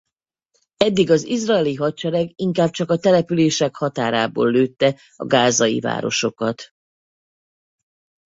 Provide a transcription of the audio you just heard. Eddig az izraeli hadsereg inkább csak a települések határából lőtte a gázai városokat.